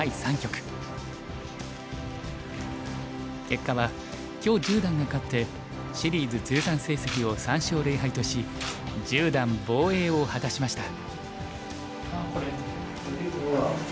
結果は許十段が勝ってシリーズ通算成績を３勝０敗とし十段防衛を果たしました。